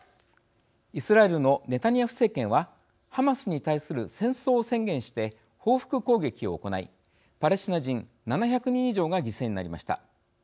イスラエルのネタニヤフ政権はハマスに対する戦争を宣言して報復攻撃を行いパレスチナ人７００人以上が犠牲になりました。